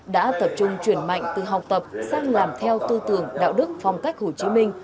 đã tập trung chuyển mạnh từ học tập sang làm theo tư tưởng đạo đức phong cách hồ chí minh